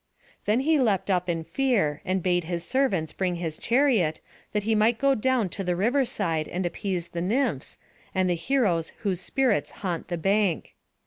Then he leapt up in fear, and bade his servants bring his chariot, that he might go down to the riverside and appease the nymphs, and the heroes whose spirits haunt the bank.